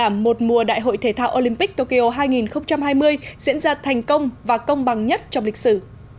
đảm một mùa đại hội thể thao olympic tokyo hai nghìn hai mươi diễn ra thành công và công bằng nhất trong lịch sử